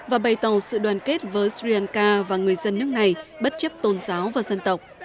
và bày tỏ sự đoàn kết với sri lanka và người dân nước này bất chấp tôn giáo và dân tộc